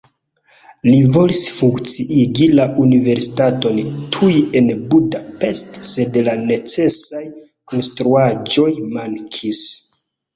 Li volis funkciigi la universitaton tuj en Buda-Pest, sed la necesaj konstruaĵoj mankis.